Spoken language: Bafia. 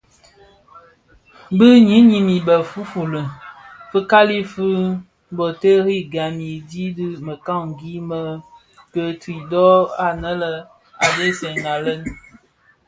Bi nyinim a be fuli fuli, fikali fi boterri gam fi dhi bi mekani me guthrie dho anë a dhesag lè.